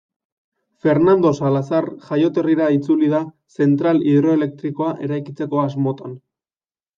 Fernando Salazar jaioterrira itzuli da zentral hidroelektrikoa eraikitzeko asmotan.